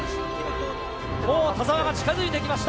田澤が近付いてきました。